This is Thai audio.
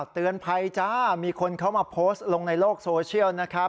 เตือนภัยจ้ามีคนเขามาโพสต์ลงในโลกโซเชียลนะครับ